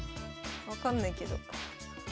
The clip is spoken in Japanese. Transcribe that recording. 分かんないけど。